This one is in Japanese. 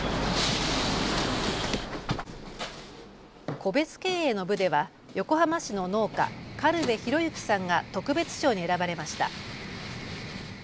個別経営の部では横浜市の農家、苅部博之さんが特別賞に選ばれました。